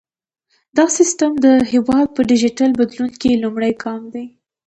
دا سیستم د هیواد په ډیجیټل بدلون کې لومړی ګام دی۔